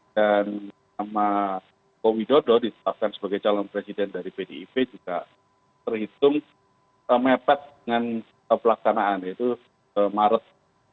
dan sama kowi dodo ditetapkan sebagai calon presiden dari pdip juga terhitung metode dengan pelaksanaan yaitu marut